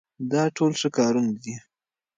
دا ټول ښه کارونه دي.